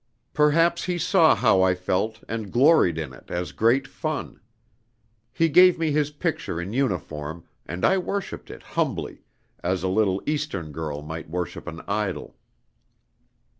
"Perhaps he saw how I felt, and gloried in it as great fun. He gave me his picture in uniform, and I worshiped it humbly, as a little Eastern girl might worship an idol.